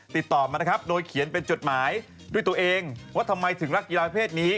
ติดต่อมานะครับโดยเขียนเป็นจดหมายด้วยตัวเองว่าทำไมถึงรักกีฬาเพศนี้